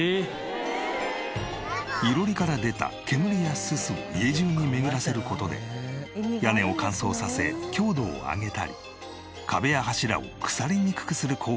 囲炉裏から出た煙やススを家中に巡らせる事で屋根を乾燥させ強度を上げたり壁や柱を腐りにくくする効果があるという。